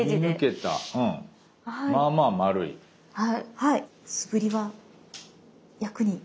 はい。